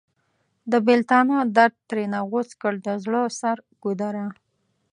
د بیلتانه درد ترېنه غوڅ کړ د زړه سر ګودره!